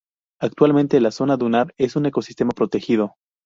Actualmente la zona dunar es un ecosistema protegido.